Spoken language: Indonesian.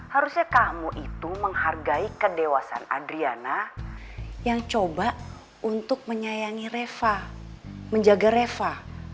harusnya kamu itu menghargai kedewasan adriana yang coba untuk menyayangi reva menjaga reva